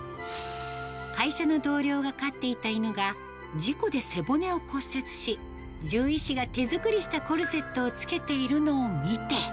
会社の同僚が飼っていた犬が事故で背骨を骨折し、獣医師が手作りしたコルセットをつけているのを見て。